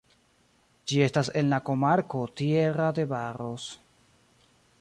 Ĝi estas en la komarko Tierra de Barros.